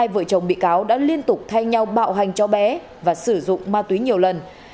hai vợ chồng bị cáo đã liên tục thay nhau bạo hành cho bé và sử dụng ma túy nhiều lần